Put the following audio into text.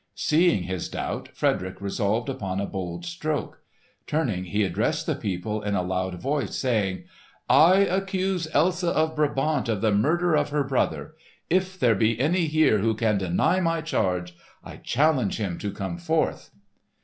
Seeing his doubt, Frederick resolved upon a bold stroke. Turning he addressed the people in a loud voice, saying, "I accuse Elsa of Brabant of the murder of her brother. If there be any here who can deny my charge, I challenge him to come forth!"